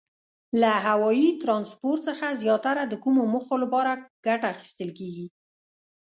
له هوایي ترانسپورت څخه زیاتره د کومو موخو لپاره ګټه اخیستل کیږي؟